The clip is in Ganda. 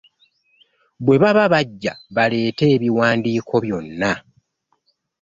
Bwe baba bajja baleete ebiwandiiko byonna.